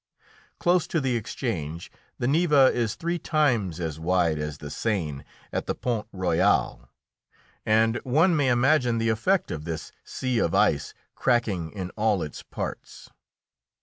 Close to the exchange the Neva is three times as wide as the Seine at the Pont Royal, and one may imagine the effect of this sea of ice cracking in all its parts.